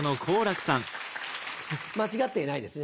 間違っていないですね。